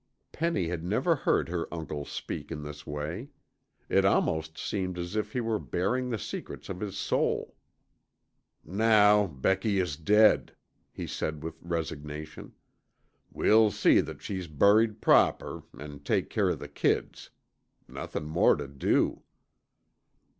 Penny had never heard her uncle speak in this way. It almost seemed as if he were baring the secrets of his soul. "Now Becky is dead," he said with resignation. "We'll see that she's buried proper an' take care of the kids. Nothin' more tuh do."